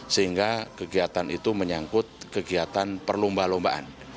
sehingga kegiatan itu menyangkut kegiatan perlomba lombaan